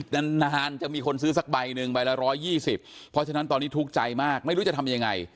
นานจะมีคนซื้อสักใบหนึ่งใบละ๑๒๐เพราะฉะนั้นตอนนี้ทุกข์ใจมากไม่รู้จะทำยังไง